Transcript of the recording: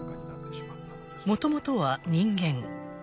［もともとは人間］